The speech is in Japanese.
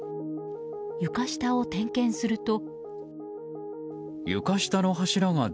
床下を点検すると。